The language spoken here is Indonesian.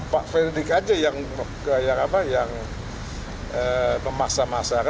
pak fredrik aja yang memaksa masyarakat